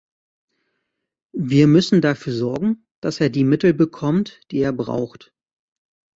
Wir müssen dafür sorgen, dass er die Mittel bekommt, die er braucht.